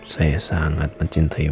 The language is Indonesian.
saya sangat mencintai